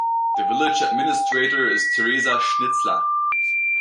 The village administrator is Teresa Schnitzler.